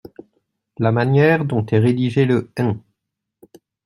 La manière dont est rédigé le un.